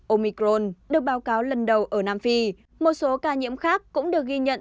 omicron được báo cáo lần đầu ở nam phi một số ca nhiễm khác cũng được ghi nhận